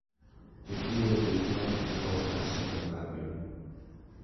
The duo did not record a second album.